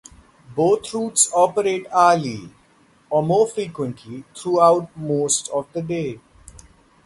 Both routes operate hourly, or more frequently, throughout most of the day.